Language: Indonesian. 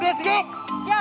bapak kamu sudah siap